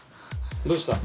どうした？